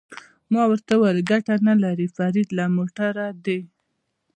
ما ورته وویل: ګټه نه لري، فرید له موټره دې.